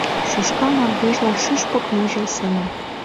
Шӱшка мардежлан шӱшпык ныжыл семым.